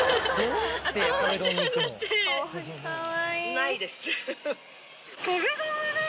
ないです。